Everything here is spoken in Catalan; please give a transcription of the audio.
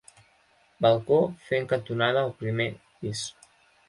Balcó fent cantonada el primer pis.